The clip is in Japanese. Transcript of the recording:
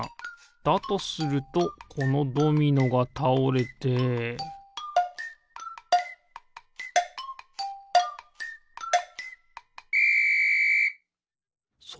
だとするとこのドミノがたおれてピッ！